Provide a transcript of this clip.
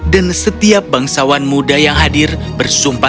dan setiap bangsawan muda yang hadir bersumpah